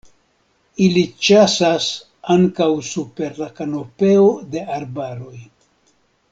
Ili ĉasas ankaŭ super la kanopeo de arbaroj.